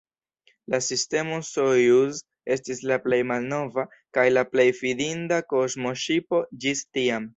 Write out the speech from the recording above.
La sistemo Sojuz estis la plej malnova kaj la plej fidinda kosmoŝipo ĝis tiam.